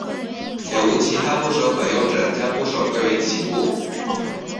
且无其他部首可用者将部首归为齐部。